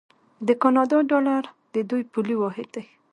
د کاناډا ډالر د دوی پولي واحد دی.